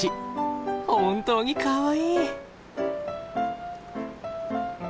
本当にかわいい！